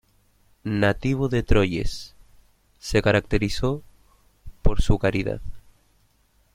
Nativo de Troyes, se caracterizó por su caridad.